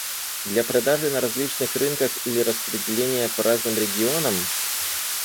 Для продажи на различных рынках или распределения по разным регионам?